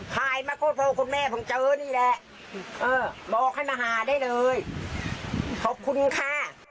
ใครมาก็โทรคุณแม่ผมเจอนี่แหละเออบอกให้มาหาได้เลยขอบคุณค่ะ